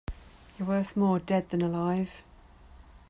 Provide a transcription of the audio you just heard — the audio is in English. You're worth more dead than alive.